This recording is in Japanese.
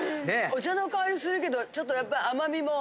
お茶の香りするけどちょっとやっぱ甘みも。